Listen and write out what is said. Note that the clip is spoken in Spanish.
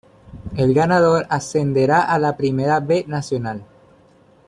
El ganador ascenderá a la Primera B Nacional.